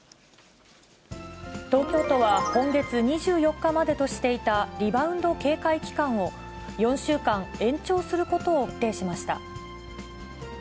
東京都は今月２４日までとしていたリバウンド警戒期間を、４週間延長することを決定しました。